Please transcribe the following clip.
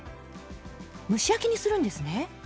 蒸し焼きにするんですね。